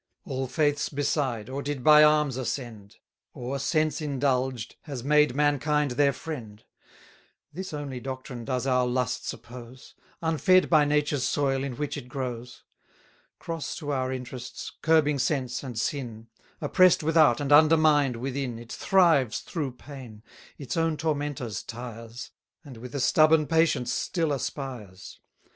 All faiths beside, or did by arms ascend; Or, sense indulged, has made mankind their friend: This only doctrine does our lusts oppose Unfed by Nature's soil, in which it grows; Cross to our interests, curbing sense, and sin; 160 Oppress'd without, and undermined within, It thrives through pain; its own tormentors tires; And with a stubborn patience still aspires.